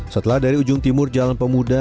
setelah dari ujung timur jalan pemuda